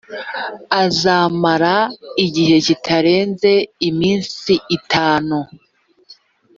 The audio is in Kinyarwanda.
azamara igihe kitarenze iminsi itanu .